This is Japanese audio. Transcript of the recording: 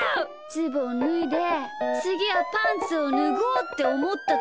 ズボンぬいでつぎはパンツをぬごうっておもったときに。